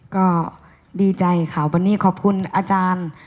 ก็ดีใจค่ะวันนี้ขอบคุณอาจารย์